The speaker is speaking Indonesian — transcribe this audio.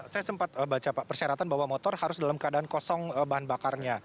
saya sempat baca pak persyaratan bahwa motor harus dalam keadaan kosong bahan bakarnya